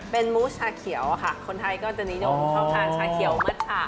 เป็นมูสชาเขียวค่ะคนไทยก็จะนิยมชอบทานชาเขียวมัชชา